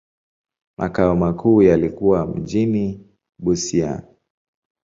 Makao makuu yalikuwa mjini Busia.